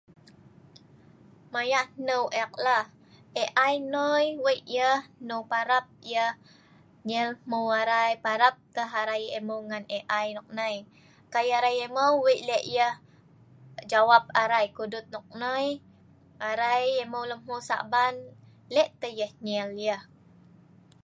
mayak hneu ek la AI noi weik yeh hnung parap yeh nyel hmeu arai parap tah arai emeu ngan AI nok nai kai arai emau weik lek yeh jawab arai. kudut nok noi arai emeu lem hmeu Sa'ban lek teh yeh nyel yah